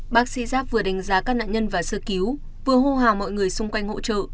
bác sĩ giáp vừa đánh giá các nạn nhân và sơ cứu vừa hô hào mọi người xung quanh hỗ trợ